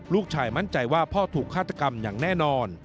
ลูกชายมั่นใจว่าพ่อถูกฆาตกรรมอย่างแน่นอน